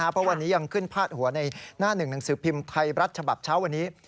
เพราะวันนี้ยังขึ้นพาดหัวในหน้าหนึ่งหนังสือพิมพ์ไทยรัฐฉบับเช้าวันนี้